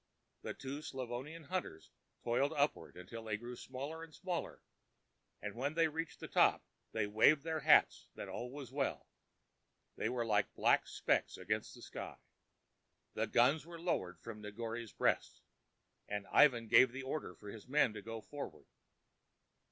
The two Slavonian hunters toiled upward till they grew small and smaller, and when they reached the top and waved their hats that all was well, they were like black specks against the sky. The guns were lowered from Negore's breast and Ivan gave the order for his men to go forward.